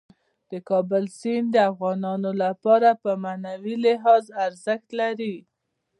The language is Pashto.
د کابل سیند د افغانانو لپاره په معنوي لحاظ ارزښت لري.